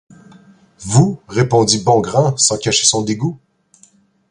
Vous? répondit Bongrand sans cacher son dégoût.